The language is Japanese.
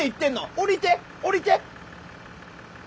降りて降りて。